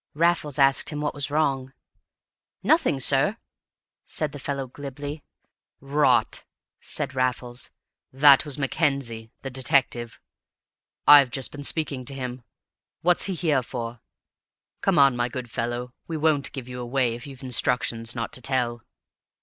Raffles asked him what was wrong. "Nothing, sir," said the fellow glibly. "Rot!" said Raffles. "That was Mackenzie, the detective. I've just been speaking to him. What's he here for? Come on, my good fellow; we won't give you away, if you've instructions not to tell."